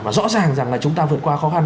và rõ ràng rằng là chúng ta vượt qua khó khăn